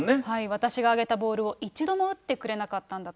私が上げたボールを一度も打ってくれなかったんだと。